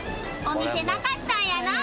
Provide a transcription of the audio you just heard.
お店なかったんやなあ。